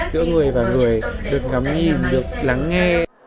giữa người và người được ngắm nhìn được lắng nghe